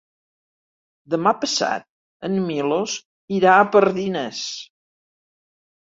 Demà passat en Milos irà a Pardines.